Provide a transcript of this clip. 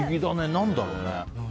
何だろうね。